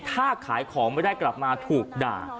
ถ้าขายของไม่ได้กลับมาถูกด่า